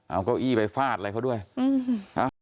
เอาเก้าอี้ไปฟาดอะไรเขาด้วยอืมอ่ะ